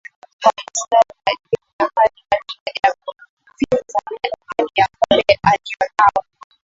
Kwa wamasai utajiri na hali katika jamii hupimwa na idadi ya ngombe alionao